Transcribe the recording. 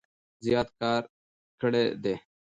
زيات کار کړي دی